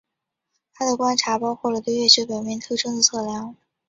他的观察包括了对月球表面特征的测量。